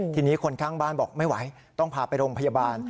ทีนี้คนข้างบ้านบอกไม่ไหวต้องพาไปโรงพยาบาล